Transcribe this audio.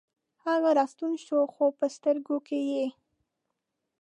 هغه راستون شو، خوپه سترګوکې یې